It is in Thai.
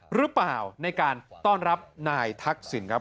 หรือเปล่าในการต้อนรับนายทักษิณครับ